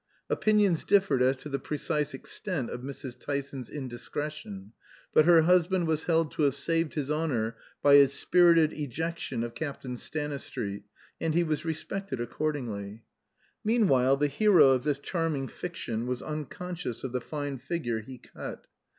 Opinions differed as to the precise extent of Mrs. Tyson's indiscretion; but her husband was held to have saved his honor by his spirited ejection of Captain Stanistreet, and he was respected accordingly. Meanwhile the hero of this charming fiction was unconscious of the fine figure he cut.